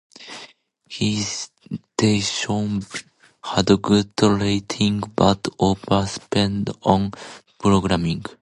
The station had good ratings, but overspent on programming.